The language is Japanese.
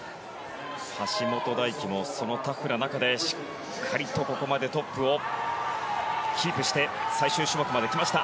橋本大輝も、そのタフな中でしっかりとここまでトップをキープして最終種目まで来ました。